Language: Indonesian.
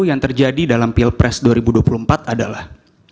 yang terjadi dalam pilpres dua ribu dua puluh empat adalah